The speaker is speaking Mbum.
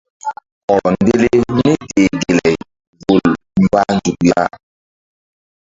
Hɔrɔ ndele míteh gelay vul mbah nzuk ya.